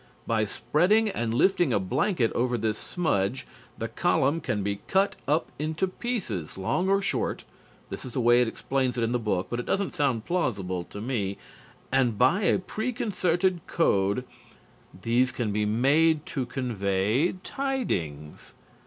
By spreading and lifting a blanket over this smudge the column can be cut up into pieces, long or short (this is the way it explains it in the book, but it doesn't sound plausible to me), and by a preconcerted code these can be made to convey tidings.